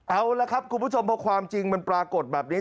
เอาละครับคุณผู้ชมพอความจริงมันปรากฏแบบนี้